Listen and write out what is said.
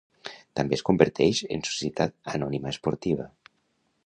També es converteix en Societat Anònima Esportiva.